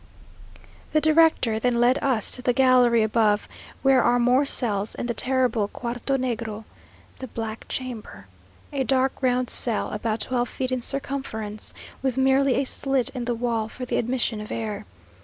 The director then led us to the gallery above, where are more cells, and the terrible "Cuarto Negro," the Black Chamber; a dark, round cell, about twelve feet in circumference, with merely a slit in the wall for the admission of air.